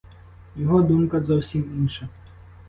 Його думка зовсім інша.